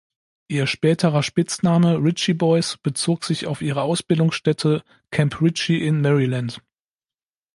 Ihr späterer Spitzname „Ritchie Boys“ bezog sich auf ihre Ausbildungsstätte Camp Ritchie in Maryland.